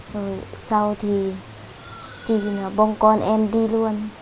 rồi sau thì chị nó bông con em đi luôn